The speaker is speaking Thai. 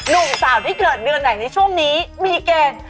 หนุ่มสาวที่เกิดเดือนไหนในช่วงนี้มีเกณฑ์